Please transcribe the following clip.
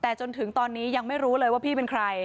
แต่จนถึงตอนนี้ยังไม่รู้เลยว่าพี่เป็นใคร